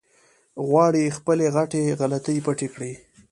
غواړي خپلې غټې غلطۍ پټې کړي.